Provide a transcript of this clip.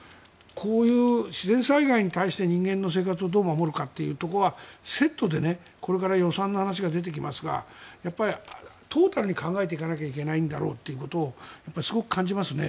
こういう自然災害に対して人間の生活をどう守るかっていうのがセットで、これから予算の話が出てきますがトータルに考えなきゃいけないんだろうということをすごく感じますね。